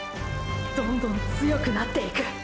どんどん強くなっていく！